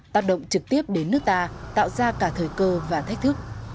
tác động trực tiếp đến nước ta tạo ra cả thời cơ và thách thức